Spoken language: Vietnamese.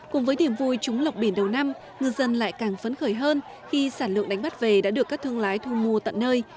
cùng với điểm vui trúng lọc biển đầu năm ngư dân lại càng phấn khởi hơn khi sản lượng đánh bắt về đã được các thương lái thu mua tận nơi